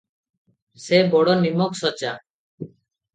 ସେ ବଡ଼ ନିମକ୍ ସଚା ।